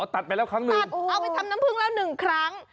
ตัดไปแล้วครั้งหนึ่งตัดเอาไปทำน้ำผึ้งแล้วหนึ่งครั้ง